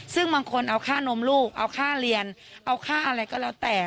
ซึ่งบางคนเอาค่านมลูกเอาค่าเรียนเอาค่าอะไรก็แล้วแต่